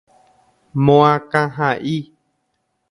Moakãha'i.